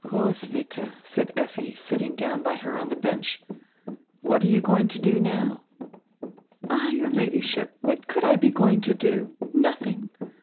"Roswitha," said Effi, sitting down by her on die bench. "What are you going to do now?" "All, your Ladyship, what could I be going to do? Nothing.